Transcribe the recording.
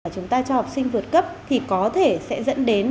chúng ta cho học sinh vượt cấp thì có thể sẽ dẫn đến